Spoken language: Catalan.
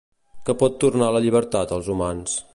Que pot tornar la llibertat als humans?